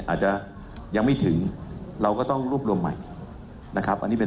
อาจจะยังไม่ถึงเราก็ต้องรวบรวมใหม่นะครับอันนี้เป็น